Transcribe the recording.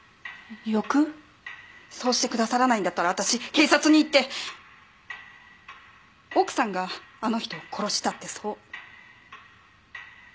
そうしてくださらないんだったら私警察に行って奥さんがあの人を殺したってそう。